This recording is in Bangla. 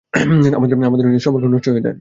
আমাদের সম্পর্ক নষ্ট হয়ে যায়।